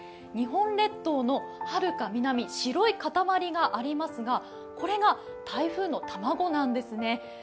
日本列島のはるか南、白い塊がありますがこれが台風の卵なんですね。